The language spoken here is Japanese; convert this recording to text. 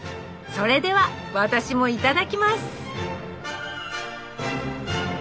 それでは私もいただきます